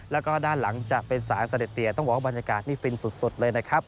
แล้วก็ด้านหลังจะเป็นสารเสด็จเตียต้องบอกว่าบรรยากาศนี่ฟินสุดเลยนะครับ